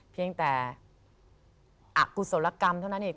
เพียงแต่อกุศลกรรมเท่านั้นเอง